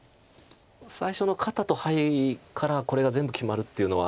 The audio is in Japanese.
最初の肩とハイからこれが全部決まるっていうのは。